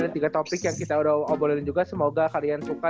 ada tiga topik yang kita udah obolin juga semoga kalian suka